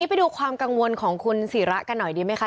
ไปดูความกังวลของคุณศิระกันหน่อยดีไหมคะ